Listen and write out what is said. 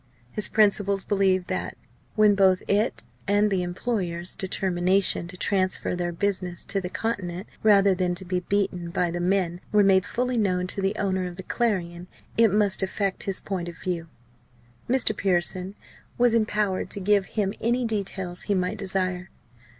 His principals believed that, when both it and the employers' determination to transfer their business to the Continent rather than be beaten by the men were made fully known to the owner of the Clarion, it must affect his point of view. Mr. Pearson was empowered to give him any details he might desire.